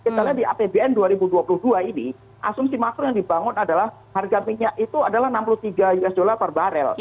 kita lihat di apbn dua ribu dua puluh dua ini asumsi makro yang dibangun adalah harga minyak itu adalah enam puluh tiga usd per barel